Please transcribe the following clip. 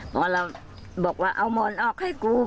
หมอเราบอกว่าเอาหมอนออกให้กู